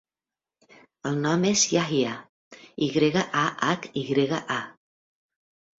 El nom és Yahya: i grega, a, hac, i grega, a.